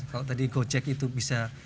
kalau tadi gojek itu bisa